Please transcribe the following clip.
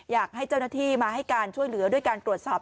อยากให้เจ้าหน้าที่มาให้การช่วยเหลือด้วยการตรวจสอบ